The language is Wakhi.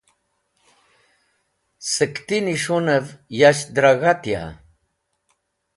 Sẽk ti nis̃hunẽv yasht dra g̃hatia?